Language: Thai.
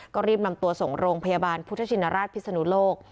ก็รีบนำตัวส่งโรงพยาบาลพุทธชินราชพิศนุโลก